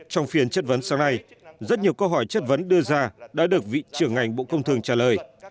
trong phiên chất vấn sáng nay rất nhiều câu hỏi chất vấn đưa ra đã được vị trưởng ngành bộ công thương trả lời